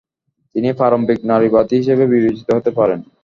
তিনি প্রারম্ভিক নারীবাদী হিসেবে বিবেচিত হতে পারেন।